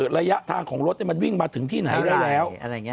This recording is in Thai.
ระยะทางของรถมันวิ่งมาถึงที่ไหนได้แล้ว